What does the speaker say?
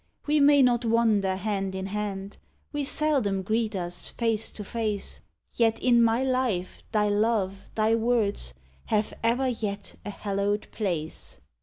We may not wander hand in hand, We seldom greet us face to face, Yet in my life thy love, thy words Have ever yet a hallowed place!